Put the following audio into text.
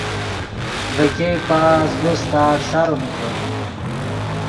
ڤے ګئے پازگو ستاڑ سارو نیگو۔